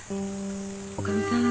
女将さん